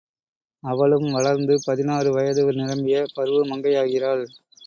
அவளும் வளர்ந்து பதினாறு வயது நிரம்பிய பருவ மங்கையாகிறாள்.